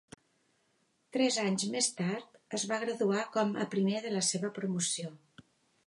Tres anys més tard, es va graduar com a primer de la seva promoció.